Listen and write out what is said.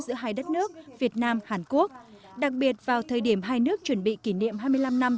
giữa hai đất nước việt nam hàn quốc đặc biệt vào thời điểm hai nước chuẩn bị kỷ niệm hai mươi năm năm